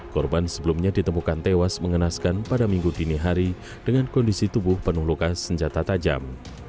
korban sebelumnya ditemukan tewas mengenaskan pada minggu dini hari dengan kondisi tubuh penuh luka senjata tajam